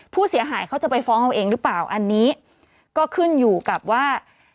ผู้เสียหายเขาจะไปฟ้องเอาเองหรือเปล่าอันนี้ก็ขึ้นอยู่กับว่า